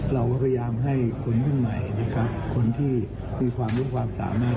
เราก็พยายามให้คนรุ่นใหม่นะครับคนที่มีความรู้ความสามารถ